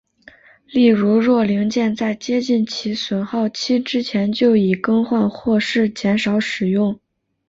例如若零件在接近其损耗期之前就已更换或是减少使用。